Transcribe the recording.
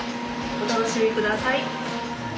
お楽しみ下さい。